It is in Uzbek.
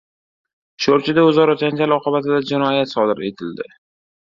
Sho‘rchida o‘zaro janjal oqibatida jinoyat sodir etildi